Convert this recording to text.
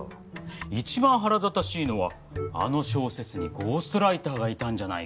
一番腹立たしいのはあの小説にゴーストライターがいたんじゃないかって。